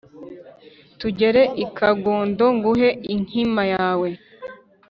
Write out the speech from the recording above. tugere i kagondo nguhe inkima yawe,